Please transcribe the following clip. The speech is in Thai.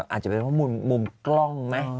อาจจะเป็นเพราะมุมกล้องไหม